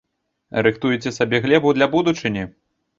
Рыхтуеце сабе глебу для будучыні?